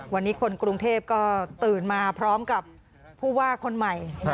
วันนี้คนกรุงเทพก็ตื่นมาพร้อมกับผู้ว่าคนใหม่